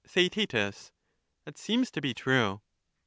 Theaet That seems to be true.